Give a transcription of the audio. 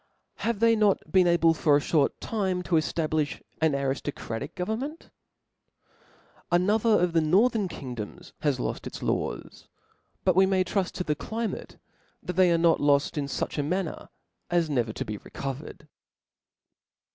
Have they not been able for a (hort time to eftablifh an ariftocratical government ? Another of the northern kingdoms has loft its laws ; but we may truft to the climate that they are not loft in fuch a manner as never to be recovered.